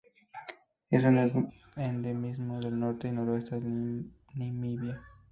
Es un endemismo del norte y noroeste de Namibia.